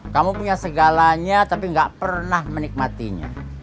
kamu punya segalanya tapi gak pernah menikmatinya